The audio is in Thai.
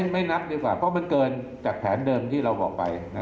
ไม่นับดีกว่าเพราะมันเกินจากแผนเดิมที่เราบอกไป